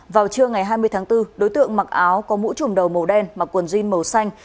vào trưa ngày hai mươi tháng bốn đối tượng mặc áo có mũ trùm đầu màu đen mặc quần jean màu xanh